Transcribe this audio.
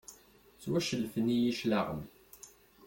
Ttwacellfen-iyi cclaɣem.